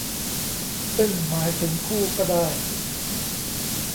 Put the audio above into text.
ซึ่งหมายถึงคู่ก็ได้